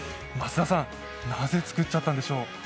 松田さん、なぜつくっちゃったんでしょう？